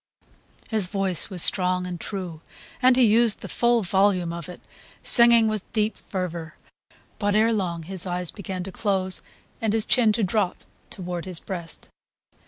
His voice was strong and true, and he used the full volume of it, singing with deep fervour; but ere long his eyes began to close and his chin to drop toward his breast.